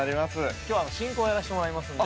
◆きょうは進行をやらしてもらいますんで。